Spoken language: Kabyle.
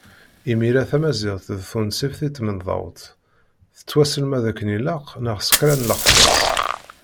Imir-a tamaziɣt d tunṣibt di tmendawt, tettwaselmad akken ilaq neɣ s kra n lexṣaṣ.